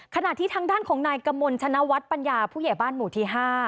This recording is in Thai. ขณะที่ทางด้านของนายกมลชนวัฒนปัญญาผู้ใหญ่บ้านหมู่ที่๕